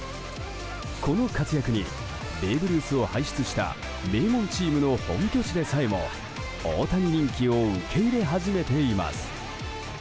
この活躍にベーブ・ルースを輩出した名門チームの本拠地でさえも大谷人気を受け入れ始めています。